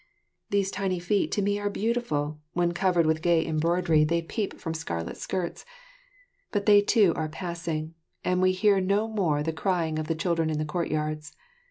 These tiny feet to me are beautiful, when covered with gay embroidery they peep from scarlet skirts; but they too are passing, and we hear no more the crying of the children in the courtyards.